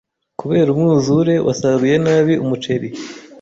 Kubera umwuzure, wasaruye nabi umuceri.